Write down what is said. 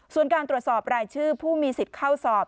ส่วนการตรวจสอบรายชื่อผู้มีสิทธิ์เข้าสอบ